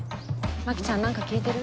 牧ちゃん何か聞いてる？